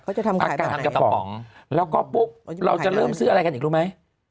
จะทำอากาศกระป๋องแล้วก็ปุ๊บเราจะเริ่มซื้ออะไรกันอีกรู้ไหม